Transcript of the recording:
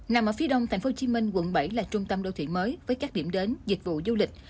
nằm ở phía đông tp hcm quận bảy là trung tâm đô thị mới với các điểm đến dịch vụ du lịch